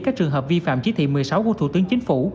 các trường hợp vi phạm chỉ thị một mươi sáu của thủ tướng chính phủ